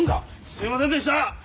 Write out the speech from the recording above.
すいませんでした！